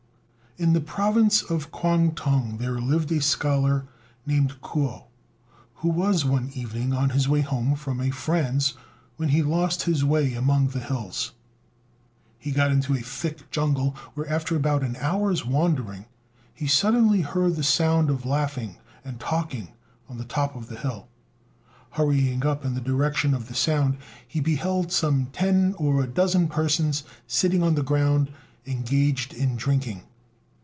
In the province of Kuangtung there lived a scholar named Kuo, who was one evening on his way home from a friend's, when he lost his way among the hills. He got into a thick jungle, where, after about an hour's wandering, he suddenly heard the sound of laughing and talking on the top of the hill. Hurrying up in the direction of the sound, he beheld some ten or a dozen persons sitting on the ground engaged in drinking.